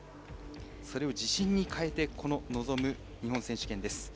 それを自信に変えて臨む日本選手権です。